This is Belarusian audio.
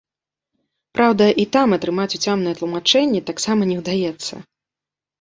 Праўда, і там атрымаць уцямныя тлумачэнні таксама не ўдаецца.